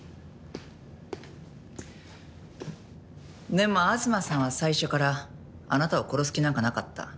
でも東さんは最初からあなたを殺す気なんかなかった。